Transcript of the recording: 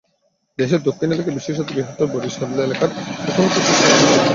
দেশের দক্ষিণ এলাকায় বিশেষত বৃহত্তর বরিশাল এলাকায় এখনো প্রচুর চালতাগাছ দেখা যায়।